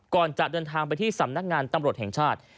ก่อนจะเดินทางไปที่สำนักงานตำรวจแห่งชาติ